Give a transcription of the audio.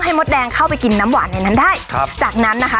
มดแดงเข้าไปกินน้ำหวานในนั้นได้ครับจากนั้นนะคะ